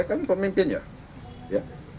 iya saya kan pemimpinnya ya